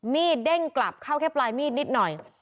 ดเด้งกลับเข้าแค่ปลายมีดนิดหน่อย